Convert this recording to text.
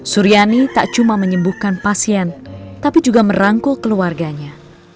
suryani tak cuma menyembuhkan pasien tapi juga merangkul keluarganya